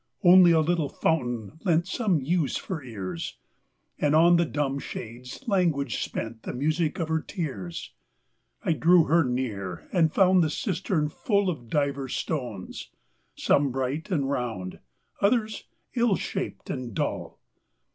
Only a little fountain lent Some use for ears, And on the dumb shades language spent, The music of her tears; I drew her near, and found The cistern full Of divers stones, some bright and round. Others ill shaped and dull.